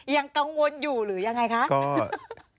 ยังกังวลอยู่หรือยังไงคะ